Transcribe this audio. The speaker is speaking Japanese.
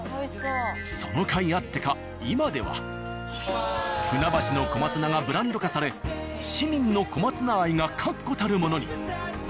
そのかいあってか今では船橋の小松菜がブランド化され市民の小松菜愛が確固たるものに。